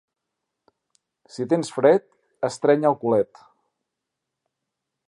Si tens fred, estreny el culet.